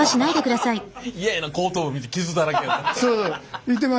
嫌やな後頭部見て傷だらけやったら。